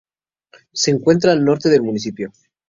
Se encuentra al norte del municipio.